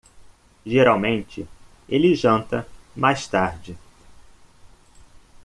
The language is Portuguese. Geralmente ele janta mais tarde.